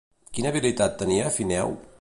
Quina habilitat tenia Fineu?